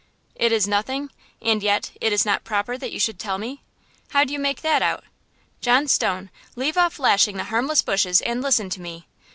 " 'It is nothing,' and yet 'it is not proper that you should tell me!' How do you make that out? John Stone, leave off lashing the harmless bushes and listen to me!